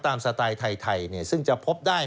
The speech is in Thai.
สไตล์ไทยซึ่งจะพบได้